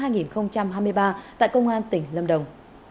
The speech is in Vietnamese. năm hai nghìn hai mươi ba tại công an tỉnh lâm đồng